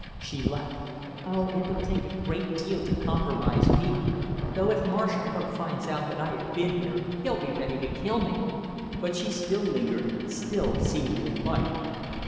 She laughed. "Oh, it would take a great deal to compromise me; though if Marsh ever finds out that I have been here he'll be ready to kill me!" But she still lingered, still seemed to invite.